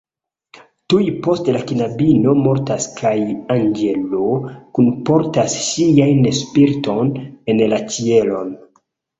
Tuj poste la knabino mortas kaj anĝelo kunportas ŝian spiriton en la ĉielon.